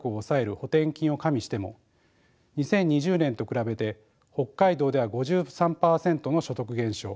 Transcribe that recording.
補填金を加味しても２０２０年と比べて北海道では５３％の所得減少